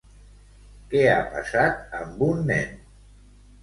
Què ha passat amb un nen?